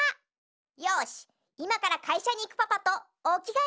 よしいまからかいしゃにいくパパとおきがえ